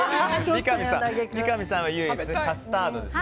三上さんは唯一カスタードですね。